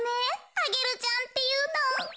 アゲルちゃんっていうの。